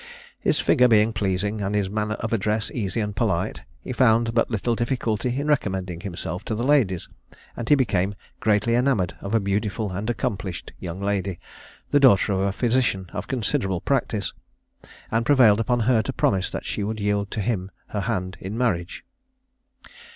His figure being pleasing, and his manner of address easy and polite, he found but little difficulty in recommending himself to the ladies, and he became greatly enamoured of a beautiful and accomplished young lady, the daughter of a physician of considerable practice, and prevailed upon her to promise that she would yield to him her hand in marriage.